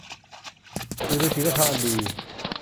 อยู่ในศีลธรรมอันดี